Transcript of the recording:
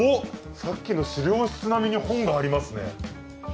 さっきの史料室並みに本がありますね。